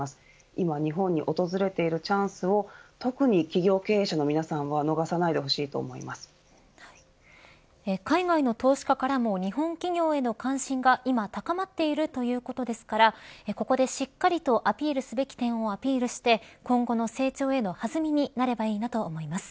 今日本に訪れているチャンスを特に企業経営者の皆さんは海外の投資家からも日本企業への関心が今高まっているということですからここでしっかりとアピールすべき点をアピールして今後の成長への弾みになればいいなと思います。